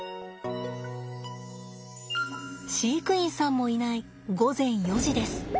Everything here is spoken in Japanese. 飼育員さんもいない午前４時です。